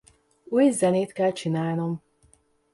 Új zenét kell csinálnom!